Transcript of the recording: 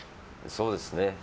そうですね。